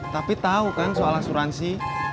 tapi tahu kan soal asuransi